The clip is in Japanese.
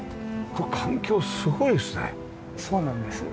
環境すごいですね。